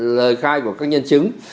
lời khai của các nhân chứng